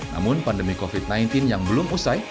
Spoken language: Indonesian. namun pandemi covid sembilan belas yang belum usai